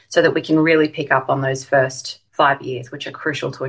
supaya kita bisa menemukan pada lima tahun pertama